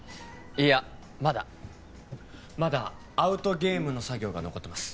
いやまだまだアウトゲームの作業が残ってます